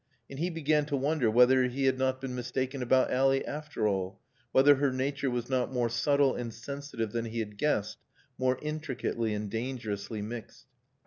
And he began to wonder whether he had not been mistaken about Ally after all, whether her nature was not more subtle and sensitive than he had guessed, more intricately and dangerously mixed.